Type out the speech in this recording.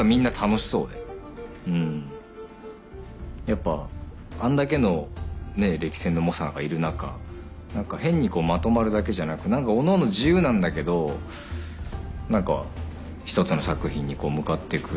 やっぱあんだけの歴戦の猛者がいる中何か変にまとまるだけじゃなく何かおのおの自由なんだけど何か一つの作品に向かっていく。